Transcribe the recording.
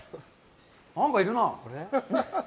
何かいるな。